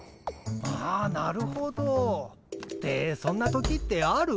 あなるほど。ってそんな時ってある？